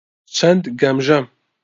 چەند گەمژەم!